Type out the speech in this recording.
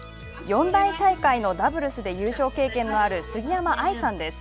四大大会のダブルスで優勝経験のある杉山愛さんです。